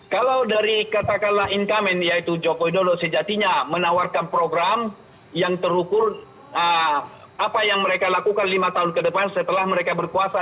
kalau dari katakanlah incumbent yaitu jokowi dodo sejatinya menawarkan program yang terukur apa yang mereka lakukan lima tahun ke depan setelah mereka berkuasa